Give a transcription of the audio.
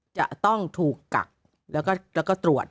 จะต้องถูกกักแล้วก็ตรวจ